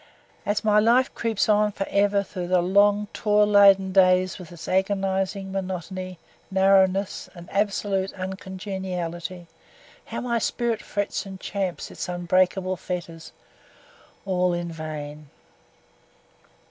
As my life creeps on for ever through the long toil laden days with its agonizing monotony, narrowness, and absolute uncongeniality, how my spirit frets and champs its unbreakable fetters all in vain!